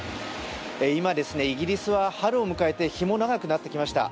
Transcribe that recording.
今、イギリスは春を迎えて日も長くなってきました。